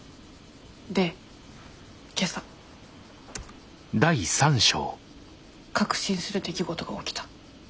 で今朝確信する出来事が起きた。